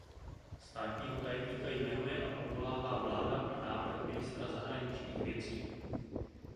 Státního tajemníka jmenuje a odvolává vláda na návrh ministra zahraničních věcí.